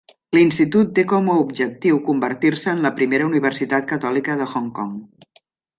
L'institut té com a objectiu convertir-se en la primera universitat catòlica de Hong Kong.